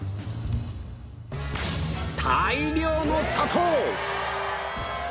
大量の砂糖！